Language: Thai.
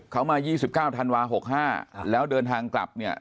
เขามา๒๙ธันวา๖๕แล้วเดินทางกลับเนี่ย